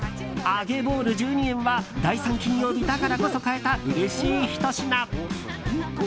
揚げボール１２円は第３金曜日だからこそ買えたうれしい、ひと品。